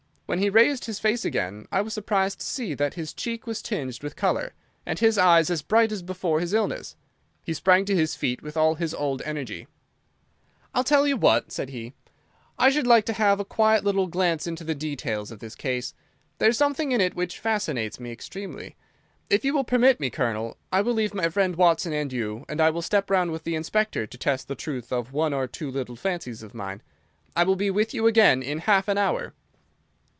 When he raised his face again, I was surprised to see that his cheek was tinged with colour, and his eyes as bright as before his illness. He sprang to his feet with all his old energy. "I'll tell you what," said he, "I should like to have a quiet little glance into the details of this case. There is something in it which fascinates me extremely. If you will permit me, Colonel, I will leave my friend Watson and you, and I will step round with the Inspector to test the truth of one or two little fancies of mine. I will be with you again in half an hour."